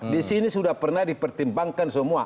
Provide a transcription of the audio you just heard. disini sudah pernah dipertimbangkan semua